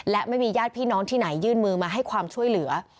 และไม่มีญาติพี่น้องที่ไหนยื่นมือมาให้ความช่วยเหลือ